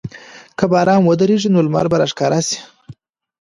که باران ودریږي، نو لمر به راښکاره شي.